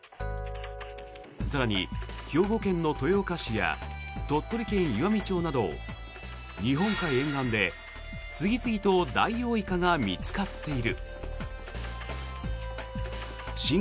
更に、兵庫県の豊岡市や鳥取県岩美町など日本海沿岸で次々とダイオウイカが見つかっている。